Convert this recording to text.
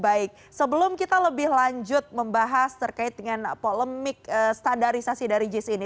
baik sebelum kita lebih lanjut membahas terkait dengan polemik standarisasi dari jis ini